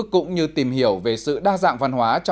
cũng như tìm hiểu về sự đa dạng văn hóa